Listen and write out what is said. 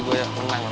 kayaknya sih seru